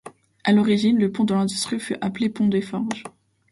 À l'origine le pont de l'Industrie fut appelé pont des Forges.